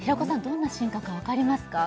どんな進化かわかりますか？